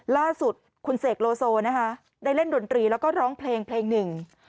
ล่าสุดคุณเสกโลโซนะคะได้เล่นดนตรีแล้วก็ร้องเพลงเพลงหนึ่ง